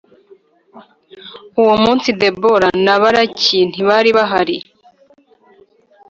Uwo munsi Debora na Baraki ntibaribahari.